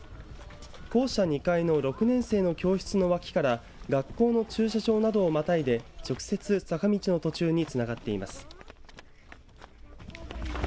校舎２階の６年生の教室のわきから学校の駐車場などをまたいで直接坂道の途中につながっています。